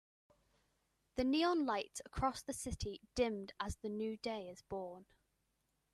The neon lights across the city dimmed as a new day is born.